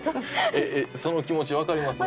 えっその気持ちわかります？